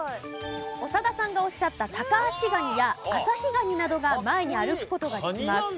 長田さんがおっしゃったタカアシガニやアサヒガニなどが前に歩く事ができます。